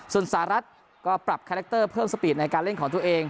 ส่วนสหรัฐก็ปรับคาแรคเตอร์เพิ่มสปีดในการเล่นของตัวเอง